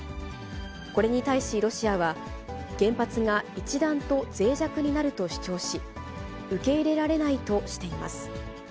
これに対しロシアは、原発が一段とぜい弱になると主張し、受け入れられないとしています。